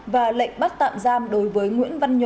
và lệnh bắt tặng